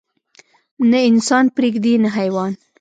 نه انسان پرېږدي نه حيوان.